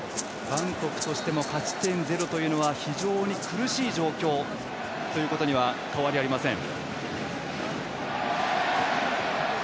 韓国としても勝ち点ゼロというのは非常に苦しい状況ということには変わりありません。